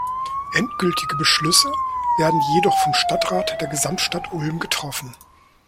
Endgültige Beschlüsse werden jedoch vom Stadtrat der Gesamtstadt Ulm getroffen.